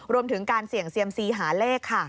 รวมถึงการเสี่ยงเซียมซีหาเลขค่ะ